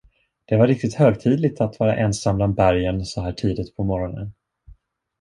Det var riktigt högtidligt att vara ensam bland bergen så här tidigt på morgonen.